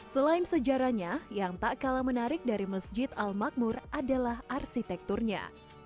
selain sejarahnya yang tak kalah menarik dari masjid al makmur adalah arsitekturnya